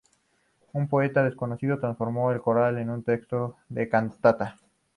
Un poeta desconocido transformó el coral en un texto de cantata.